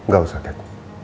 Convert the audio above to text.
gak usah kat